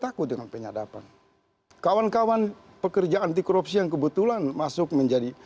takut dengan penyadapan kawan kawan pekerja anti korupsi yang kebetulan masuk menjadi